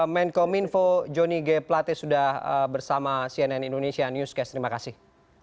menkominfo jonny g plate sudah bersama cnn indonesia newscast terima kasih